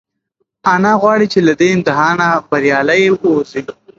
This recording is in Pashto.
انا غواړي چې له دې امتحانه بریالۍ ووځي.